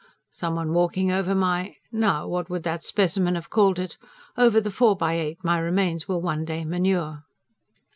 "Some one walking over my ... now what would that specimen have called it? Over the four by eight my remains will one day manure!"